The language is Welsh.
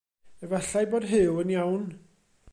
Efallai bod Huw yn iawn.